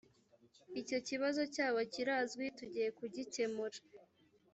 icyo kibazo cyabo kirazwi tugiye kugikemura